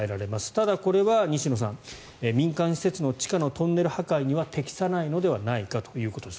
ただこれは西野さん民間施設の地下のトンネル破壊には適さないのではないかということです。